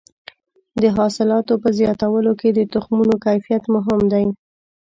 د حاصلاتو په زیاتولو کې د تخمونو کیفیت مهم دی.